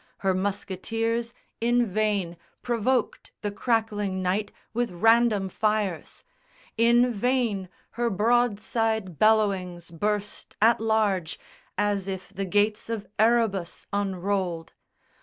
Her musketeers in vain Provoked the crackling night with random fires: In vain her broadside bellowings burst at large As if the Gates of Erebus unrolled.